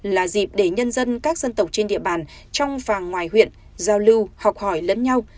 là dịp để nhân dân các dân tộc trên địa bàn trong và ngoài huyện giao lưu học hỏi lẫn nhau